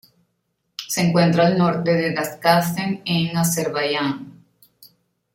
Se encuentra al norte de Daşkəsən, en Azerbaiyán.